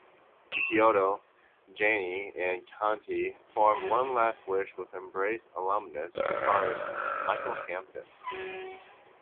Picciotto, Janney, and Canty formed One Last Wish with Embrace alumnus, guitarist Michael Hampton.